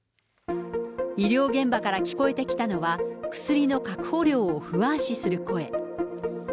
医療現場から聞こえてきたのは、薬の確保量を不安視する声。